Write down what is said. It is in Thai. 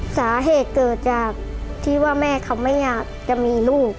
สาเหตุเกิดจากที่ว่าแม่เขาไม่อยากจะมีลูก